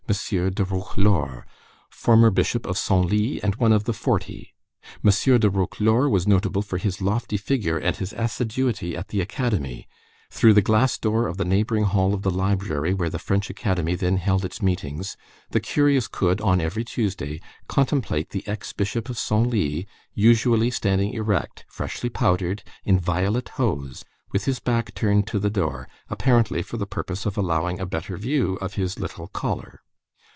de Roquelaure, former Bishop of Senlis, and one of the Forty. M. de Roquelaure was notable for his lofty figure and his assiduity at the Academy; through the glass door of the neighboring hall of the library where the French Academy then held its meetings, the curious could, on every Tuesday, contemplate the Ex Bishop of Senlis, usually standing erect, freshly powdered, in violet hose, with his back turned to the door, apparently for the purpose of allowing a better view of his little collar.